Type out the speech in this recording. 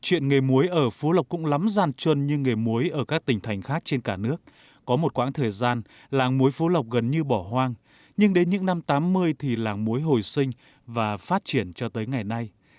chuyện nghề muối ở phú lộc cũng lắm gian trơn như nghề muối ở các tỉnh thành khác trên cả nước có một quãng thời gian làng muối phú lộc gần như bỏ hoang nhưng đến những năm tám mươi thì làng muối hồi sinh và phát triển cho tới ngày nay